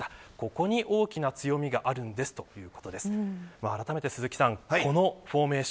ここに大きな強みがあるんですということです。